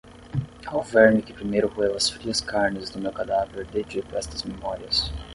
Ao verme que primeiro roeu as frias carnes do meu cadáver dedico estas Memórias